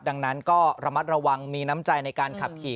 ดังนั้นก็ระมัดระวังมีน้ำใจในการขับขี่